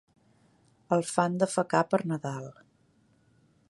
El fan defecar per Nadal.